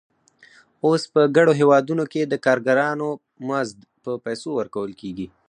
اوس په ګڼو هېوادونو کې د کارګرانو مزد په پیسو ورکول کېږي